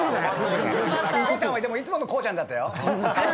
こうちゃんはいつものこうちゃんだったよ。